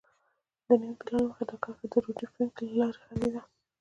د نوي پلان له مخې دا کرښه د روټي فنک له لارې غځېده.